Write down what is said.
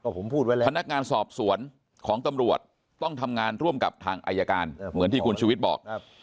ก็ผมพูดไว้แล้วพงสของตำรวจต้องทำงานร่วมกับทางไอรการเหมือนที่คุณชวิตบอก